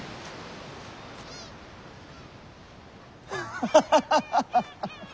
ハハハハハ！